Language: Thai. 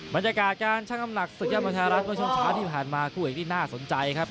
มันจะกระการช่างอำนักศึกยามันฮารักษ์โลกชนช้าที่ผ่านมาคู่เอกที่น่าสนใจครับ